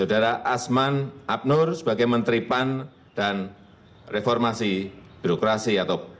saudara asman abnur sebagai menteri pan dan reformasi birokrasi atau